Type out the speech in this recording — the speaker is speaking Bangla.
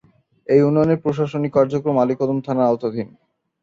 এ ইউনিয়নের প্রশাসনিক কার্যক্রম আলীকদম থানার আওতাধীন।